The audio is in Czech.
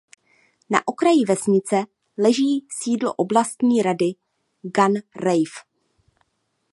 Na okraji vesnice leží sídlo Oblastní rady Gan Rave.